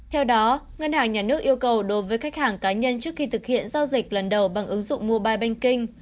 theo đó ngân hàng nhà nước yêu cầu đối với khách hàng cá nhân trước khi thực hiện giao dịch lần đầu bằng ứng dụng mobile banking